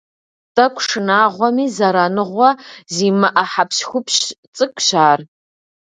Тӏэкӏу шынагъуэми, зэраныгъэ зимыӀэ хьэпщхупщ цӀыкӀущ ар.